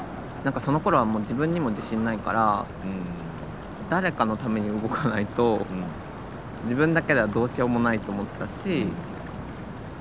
そのころはもう自分にも自信ないから誰かのために動かないと自分だけではどうしようもないと思ってたし。